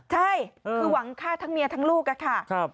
ใช่คือหวังฆ่าทั้งเมียทั้งลูกค่ะ